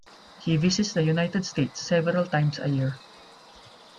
He visits the United States several times a year.